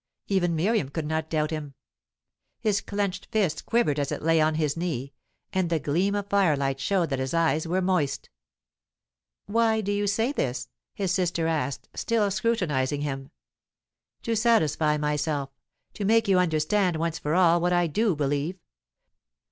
Even Miriam could not doubt him. His clenched fist quivered as it lay on his knee, and the gleam of firelight showed that his eyes were moist. "Why do you say this?" his sister asked, still scrutinizing him. "To satisfy myself; to make you understand once for all what I do believe.